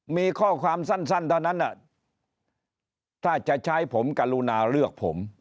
มีข้อความสั้นเท่านั้นถ้าจะใช้ผมกรุณาเลือกผม